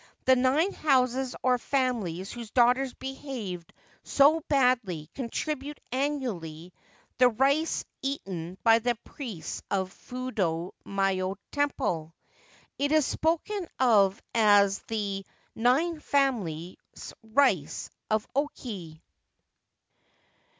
The nine houses or families whose daughters behaved so badly contribute annually the rice eaten by the priests of Fudo myo o Temple. It is spoken of as 'the nine families rice of Oki.'